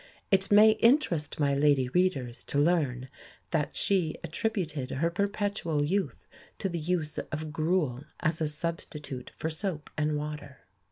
It may interest my lady readers to learn that she attributed her perpetual youth to the use of gruel as a substitute for soap and water.